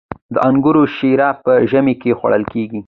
د انګورو شیره په ژمي کې خوړل کیږي.